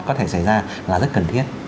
có thể xảy ra là rất cần thiết